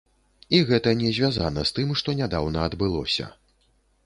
І гэта не звязана з тым, што нядаўна адбылося.